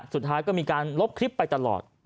สุดท้ายก็มีการลบคลิปไปตลอด